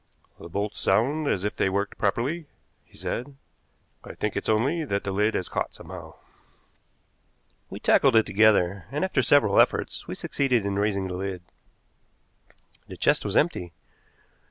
"The bolts sound as if they worked properly," he said. "I think it's only that the lid has caught somehow." We tackled it together, and, after several efforts, we succeeded in raising the lid. The chest was empty.